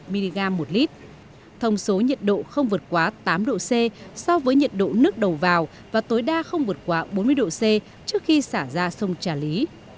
mg một lít thông số nhiệt độ không vượt quá tám độ c so với nhiệt độ nước đầu vào và tối đa không vượt quá bốn mươi độ c trước khi xả ra sông trà lý